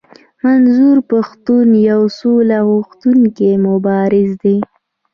منظور پښتون يو سوله غوښتونکی مبارز دی.